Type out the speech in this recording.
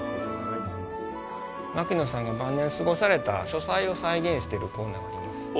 牧野さんが晩年過ごされた書斎を再現しているコーナーになります。